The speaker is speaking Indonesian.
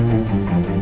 mungkin kena angin